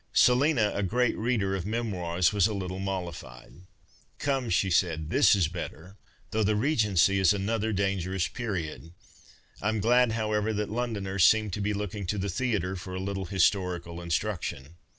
Selina, a great reader of memoirs, was a little molli fied. " Come," she said, " this is better — though the Regency is another dangerous period. I'm glad, however, that Londoners seem to be looking to the theatre for a little historical instruction.''